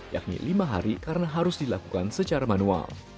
yakni lima hari karena harus dilakukan secara manual